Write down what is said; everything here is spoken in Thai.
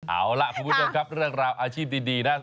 เอาล่ะคุณผู้ชมครับเรื่องราวอาชีพดีนะ